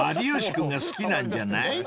［有吉君が好きなんじゃない？］